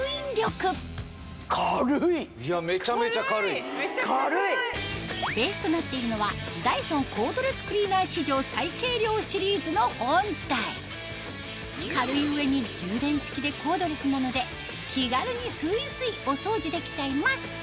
最初のポイントはベースとなっているのはダイソンコードレスクリーナー史上最軽量シリーズの本体軽い上に充電式でコードレスなので気軽にスイスイお掃除できちゃいます